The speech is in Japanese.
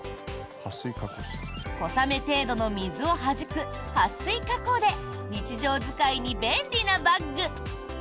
小雨程度の水をはじく撥水加工で日常使いに便利なバッグ。